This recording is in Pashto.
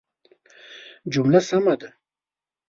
جمله سمه ده